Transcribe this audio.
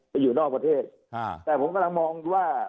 อยู่นอกประเทศแต่ผมกำลังมองว่า